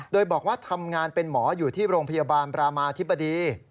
โดยบอกว่าทำงานเป็นหมออยู่ที่โรงพยาบาลประมาธิบดี